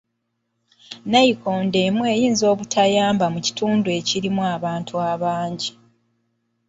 Nayikondo emu eyinza obutayamba nnyo mu kitundu kirimu bantu bangi.